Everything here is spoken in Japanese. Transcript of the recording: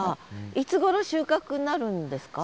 いつごろ収穫になるんですか？